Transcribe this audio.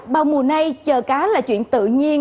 bao mùa nay chờ cá là chuyện tự nhiên